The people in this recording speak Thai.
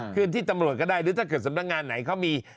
ที่ตำรวจก็ได้หรือถ้าเกิดสำนักงานไหนเขามี